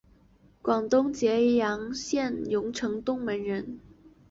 广东揭阳县榕城东门人。